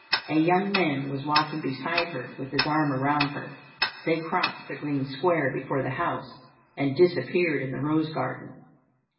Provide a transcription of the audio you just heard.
A young man was walking beside her with his arm around her. They crossed the green square before the house and disappeared in the rose garden.